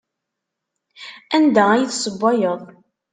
Anda ay tessewwayeḍ?